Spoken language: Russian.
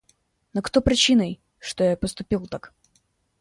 Но кто причиной, что я поступил так?